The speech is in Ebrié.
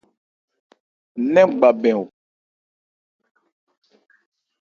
Nɛ́n gba bɛn.